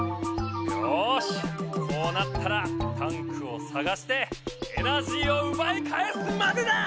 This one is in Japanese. よしこうなったらタンクをさがしてエナジーをうばいかえすまでだ！